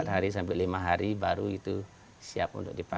empat hari sampai lima hari baru itu siap untuk dipakai